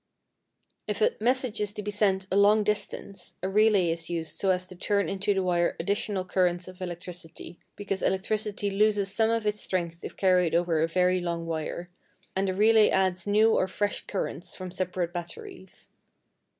If a message is to be sent a long distance, a relay is used so as to turn into the wire additional currents of electricity, because electricity loses some of its strength if carried over a very long wire, and a relay adds new or fresh currents from separate batteries.